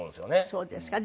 そうですか。